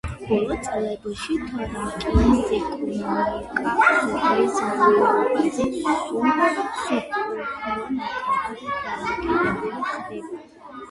ბოლო წლებში თრაკიის ეკონომიკა სოფლის მეურნეობაზე სულ უფრო ნაკლებად დამოკიდებული ხდება.